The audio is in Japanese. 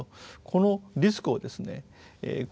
このリスクをですね